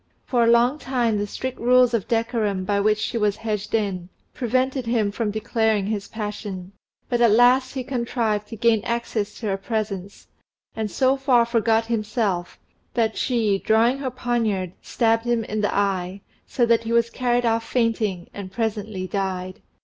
For a long time the strict rules of decorum by which she was hedged in prevented him from declaring his passion; but at last he contrived to gain access to her presence, and so far forgot himself, that she, drawing her poniard, stabbed him in the eye, so that he was carried off fainting, and presently died.